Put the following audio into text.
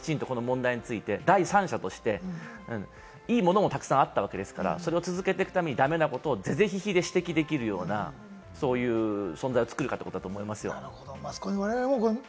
今後、誰がきちんとこの問題について第三者として、いいものをたくさんあったわけですから、それを続けていくためにダメなことを是々非々で指摘できるような、そういう存在を作るかと思います。